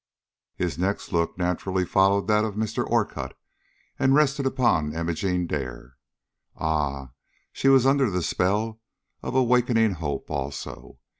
His next look naturally followed that of Mr. Orcutt and rested upon Imogene Dare. Ah! she was under the spell of awakening hope also.